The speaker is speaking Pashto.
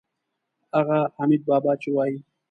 هغه حمیدبابا چې وایي.